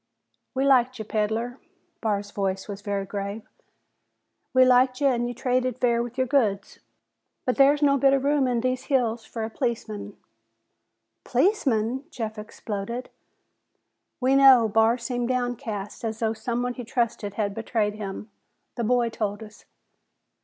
"We liked ya, peddler." Barr's voice was very grave. "We liked ya an' you traded fair with your goods. But there's no bit of room in these hills for a policeman." "Policeman!" Jeff exploded. "We know," Barr seemed downcast, as though someone he trusted had betrayed him. "The boy told us."